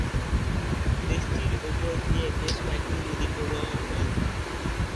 দেশটির উপর দিয়ে বেশ কয়েকটি নদী প্রবাহিত হয়েছে।